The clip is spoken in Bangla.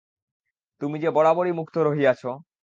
তুমি যে বরাবরই মুক্ত রহিয়াছ।